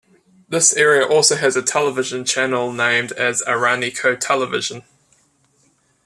This area also has a Television Channel named as Araniko Television.